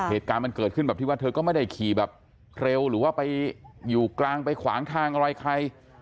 เหตุการณ์มันเกิดขึ้นแบบที่ว่าเธอก็ไม่ได้ขี่แบบเร็วหรือว่าไปอยู่กลางไปขวางทางอะไรใคร